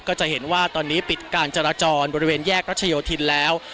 ก็จะเห็นว่าตอนนี้ปิดการจราจรบริเวณแยกรัชโยธินแล้ว